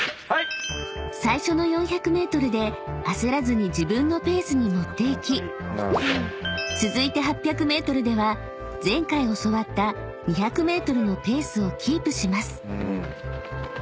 ［最初の４００ｍで焦らずに自分のペースに持っていき続いて８００ｍでは前回教わった２００ｍのペースをキープします］